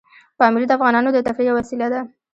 پامیر د افغانانو د تفریح یوه وسیله ده.